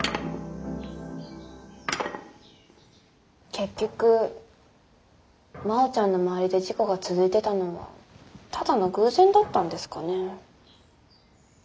結局真央ちゃんの周りで事故が続いてたのはただの偶然だったんですかねー。